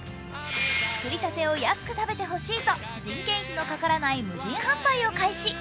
作りたてを安く食べてほしいと人件費のかからない無人販売を開始。